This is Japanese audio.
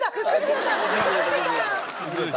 崩れた。